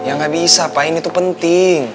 ya nggak bisa pak ini tuh penting